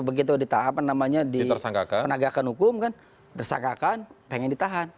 begitu ditahap namanya di penegakan hukum kan tersangkakan pengen ditahan